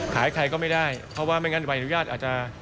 ขายใครก็ไม่ได้เพราะว่าไม่งั้นใบอนุญาตอาจจะ